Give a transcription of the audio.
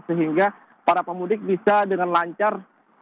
sehingga para pemudik bisa dengan lancar